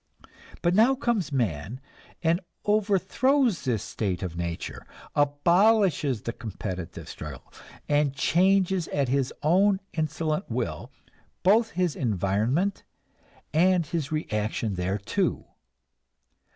But now comes man and overthrows this state of nature, abolishes the competitive struggle, and changes at his own insolent will both his environment and his reaction thereto.